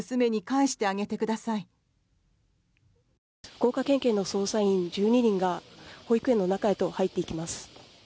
福岡県警の捜査員１２人が保育園の中へと入っていきます。